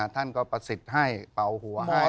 ท่านก็ประสิทธิ์ให้เป่าหัวหาย